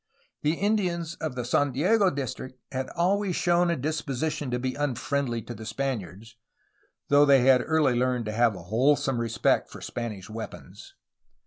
The Indians of the San Diego district had always shown a disposition to be unfriendly to the Spaniards, though they had early learned to have a wholesome respect for Spanish weapons.